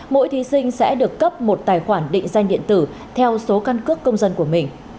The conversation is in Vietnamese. mỗi thí sinh sẽ được cấp một tài khoản định danh điện tử theo số căn cước công dân của mình